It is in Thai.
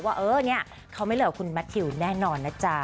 ว่าเออเนี่ยเขาไม่เหลือกับคุณแมททิวแน่นอนนะจ๊ะ